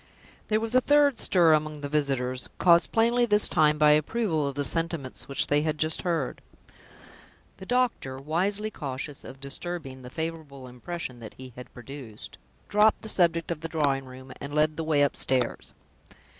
There was a third stir among the visitors caused plainly this time by approval of the sentiments which they had just heard. The doctor, wisely cautious of disturbing the favorable impression that he had produced, dropped the subject of the drawing room, and led the way upstairs.